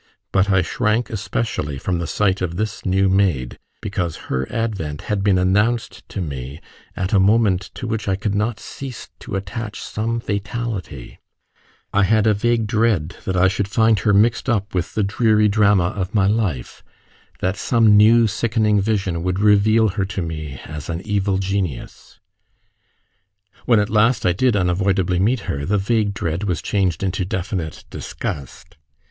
But I shrank especially from the sight of this new maid, because her advent had been announced to me at a moment to which I could not cease to attach some fatality: I had a vague dread that I should find her mixed up with the dreary drama of my life that some new sickening vision would reveal her to me as an evil genius. When at last I did unavoidably meet her, the vague dread was changed into definite disgust.